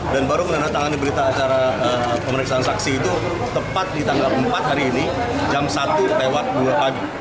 dan baru menandatangan diberita acara pemeriksaan saksi itu tepat di tanggal empat hari ini jam satu lewat dua pagi